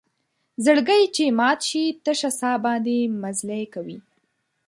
زړګۍ چې مات شي تشه سا باندې مزلې کوي